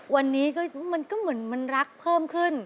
วันนี้ก็มันก็เหมือนมันรักเพิ่มขึ้น